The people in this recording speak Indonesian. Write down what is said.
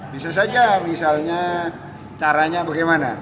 bisa saja misalnya caranya bagaimana